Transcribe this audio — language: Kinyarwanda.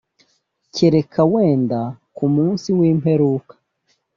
kereka wenda ku munsi w’imperuka